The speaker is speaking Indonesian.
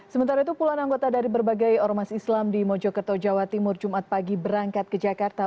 sementara itu puluhan anggota dari berbagai ormas islam di mojokerto jawa timur jumat pagi berangkat ke jakarta